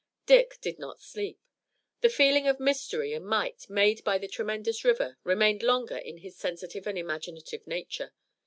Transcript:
Dick did not sleep. The feeling of mystery and might made by the tremendous river remained longer in his sensitive and imaginative nature.